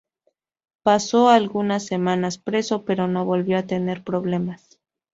Pasó algunas semanas preso, pero no volvió a tener problemas.